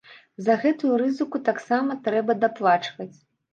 За гэтую рызыку таксама трэба даплачваць.